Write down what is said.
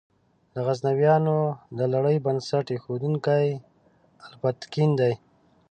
د غزنویانو د لړۍ بنسټ ایښودونکی الپتکین دی.